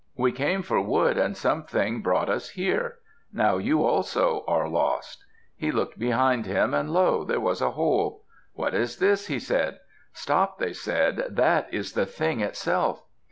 We came for wood and something brought us here. Now you also are lost." He looked behind him, and lo! there was a hole. "What is this?" he asked. "Stop!" they said. "That is the thing itself."